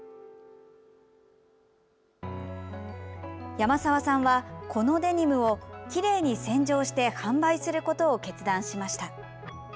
山澤さんはこのデニムをきれいに洗浄して販売することを決断しました。